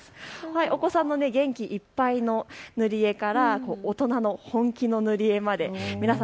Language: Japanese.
お子さんの元気いっぱいの塗り絵から、大人の本気の塗り絵まで皆さん